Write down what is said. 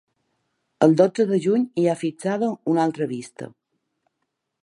El dotze de juny hi ha fixada una altra vista.